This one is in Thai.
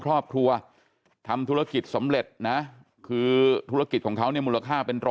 ครอบครัวทำธุรกิจสำเร็จนะคือธุรกิจของเขาเนี่ยมูลค่าเป็น๑๐๐